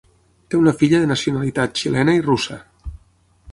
Té una filla de nacionalitat xilena i russa.